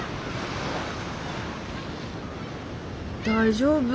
大丈夫？